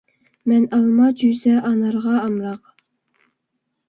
مەن ئالما جۈزە ئانارغا ئامراق